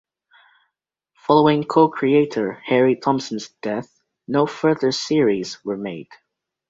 Following co-creator Harry Thompson's death, no further series were made.